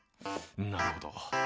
なるほど。